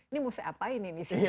ini mesti apa ini ini sih